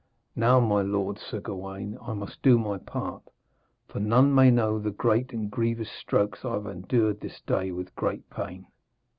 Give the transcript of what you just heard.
Now, my lord, Sir Gawaine, I must do my part, for none may know the great and grievous strokes I have endured this day with great pain.'